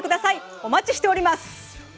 お待ちしております。